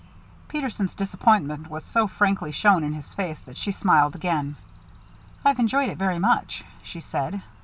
Peterson's disappointment was so frankly shown in his face that she smiled again. "I've enjoyed it very much," she said.